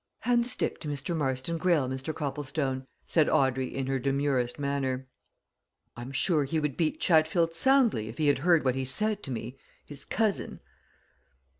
"Hand the stick to Mr. Marston Greyle, Mr. Copplestone," said Audrey in her demurest manner. "I'm sure he would beat Chatfield soundly if he had heard what he said to me his cousin."